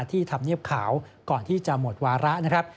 ธรรมเนียบขาวก่อนที่จะหมดวาระนะครับ